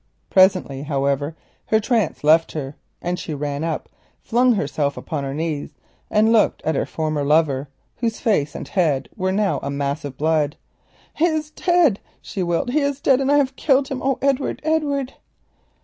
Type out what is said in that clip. Presently, however, her trance left her and she ran up, flung herself upon her knees, and looked at her former lover, whose face and head were now a mass of blood. "He is dead," she wailed; "he is dead, and I have killed him! Oh, Edward! Edward!"